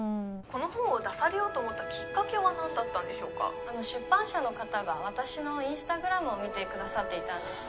この本を出されようと思ったきっかけは何だったんでしょうか出版社の方が私のインスタグラムを見てくださっていたんです